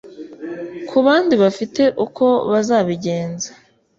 ku bandi bafite uko bazabigenza